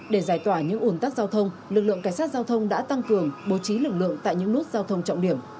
để giải tỏa những ồn tắc giao thông lực lượng cảnh sát giao thông đã tăng cường bố trí lực lượng tại những nút giao thông trọng điểm